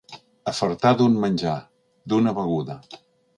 Afartar d'un menjar, d'una beguda.